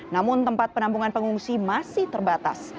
namun tempat penampungan pengungsi masih terbatas